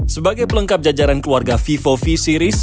sebagai pelengkap jajaran keluarga vivo v series